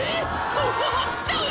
そこ走っちゃう⁉